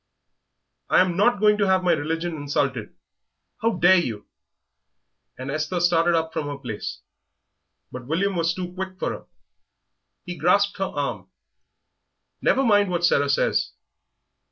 "I am not going to have my religion insulted! How dare you?" And Esther started up from her place; but William was too quick for her. He grasped her arm. "Never mind what Sarah says."